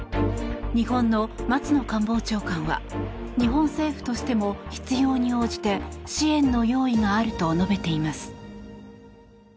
日本の松野官房長官は日本政府としても必要に応じて支援の用意があると述べています。